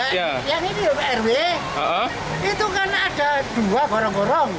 yang ini rw itu kan ada dua gorong gorong